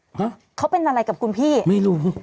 ฮะเขาเป็นอะไรกับคุณพี่ไม่รู้